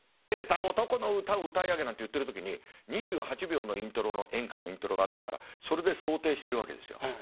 てれた男の歌を歌い上げ」なんて言ってる時に２８秒のイントロの演歌のイントロがあったからそれで想定してるわけですよ。